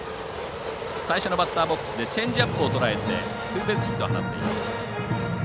最初のバッターボックスでチェンジアップをとらえてツーベースヒットを放っています。